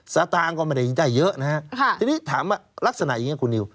สตางค์ก็ไม่ได้ได้เยอะนะฮะทีนี้ถามว่าลักษณะอย่างนี้คุณนิว